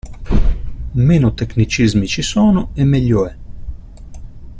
Meno tecnicismi ci sono e meglio è.